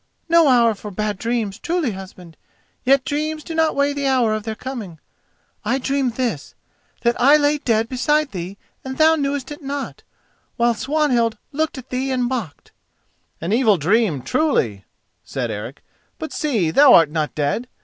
"No hour for bad dreams, truly, husband; yet dreams do not weigh the hour of their coming. I dreamed this: that I lay dead beside thee and thou knewest it not, while Swanhild looked at thee and mocked." "An evil dream, truly," said Eric; "but see, thou art not dead.